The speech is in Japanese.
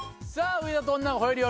『上田と女が吠える夜』。